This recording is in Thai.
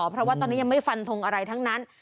เพราะว่าตอนนี้ยังไม่ฟันทงอะไรทั้งนั้น